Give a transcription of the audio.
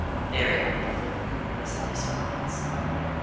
"Very wonderful," was the response.